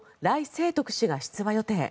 清徳氏が出馬予定。